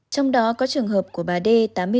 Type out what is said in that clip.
trong đó có trường hợp của bà đê tám mươi tuổi